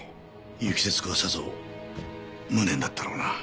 結城節子はさぞ無念だったろうな。